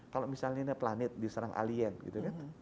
kalau misalnya planet diserang alien gitu kan